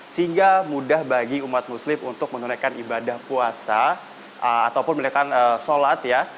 sehingga mudah bagi umat muslim untuk menunaikan ibadah puasa ataupun menunaikan sholat ya